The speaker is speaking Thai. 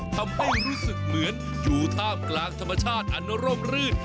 ทำให้รู้สึกเหมือนอยู่ท่ามกลางธรรมชาติอันร่มรื่น